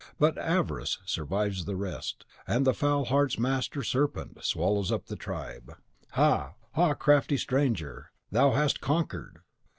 But Avarice survives the rest, and the foul heart's master serpent swallows up the tribe. Ha! ha! crafty stranger, thou hast conquered!